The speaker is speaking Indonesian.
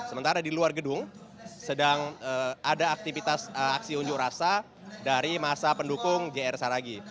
sementara di luar gedung sedang ada aktivitas aksi unjuk rasa dari masa pendukung jr saragi